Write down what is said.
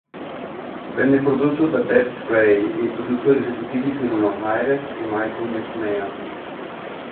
Venne prodotto da Beth Frey e i produttori esecutivi furono Ayres e Michael McMahon.